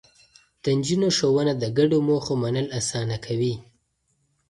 د نجونو ښوونه د ګډو موخو منل اسانه کوي.